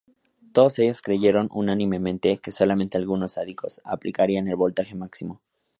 Todos ellos creyeron unánimemente que solamente algunos sádicos aplicarían el voltaje máximo.